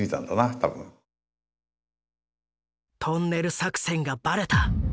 トンネル作戦がバレた！